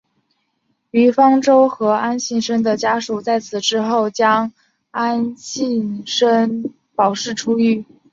于方舟和安幸生的家属在此之后将安幸生保释出狱。